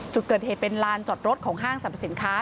จุดเกิดเหตุเป็นลานจอดรถของห้างสรรพสินค้า